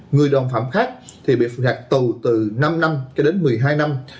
người đồng phạm khác thì bị phạt tù từ năm năm cho đến một mươi hai năm